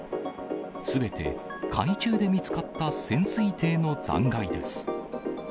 すべて海中で見つかった潜水艇の残骸です。